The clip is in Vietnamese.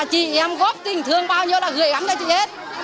chị em góp tình thương bao nhiêu là gửi gắm cho chị hết